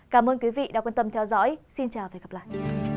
cảm ơn quý vị đã quan tâm theo dõi xin chào và hẹn gặp lại